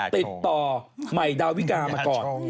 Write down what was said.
ติดต่อใหม่ดาวิกามาก่อน